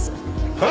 はい！